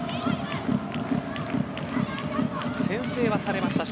先制はされました。